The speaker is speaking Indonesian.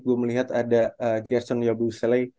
gue melihat ada gerson yabusele